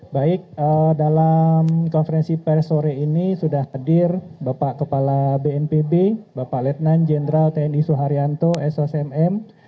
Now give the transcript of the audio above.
baik dalam konferensi pers sore ini sudah hadir bapak kepala bnpb bapak letnan jenderal tni suharyanto sosmm